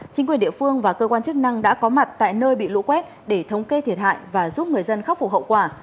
chính quyền địa phương và cơ quan chức năng đã có mặt tại nơi bị lũ quét để thống kê thiệt hại và giúp người dân khắc phục hậu quả